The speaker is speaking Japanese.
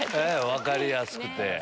分かりやすくて。